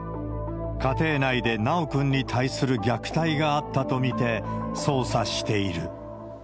家庭内で修くんに対する虐待があったと見て捜査している。